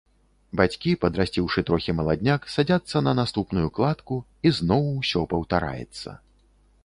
Бацькі, падрасціўшы трохі маладняк, садзяцца на наступную кладку, і зноў усё паўтараецца.